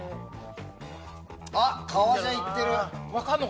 あっ革ジャンいってる。